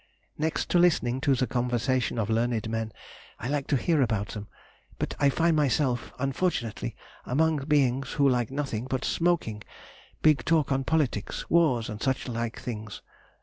Next to listening to the conversation of learned men, I like to hear about them, but I find myself, unfortunately, among beings who like nothing but smoking, big talk on politics, wars, and such like things.